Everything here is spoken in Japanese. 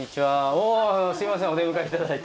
おすいませんお出迎え頂いて。